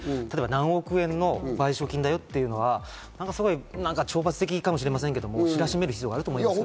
何億円の賠償金だよというのは懲罰的かもしれませんけど、知らしめる必要があると思います。